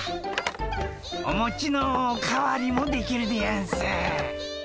おもちのお代わりもできるでやんす。